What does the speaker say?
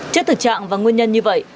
trước tự trạng và nguyên nhân như vậy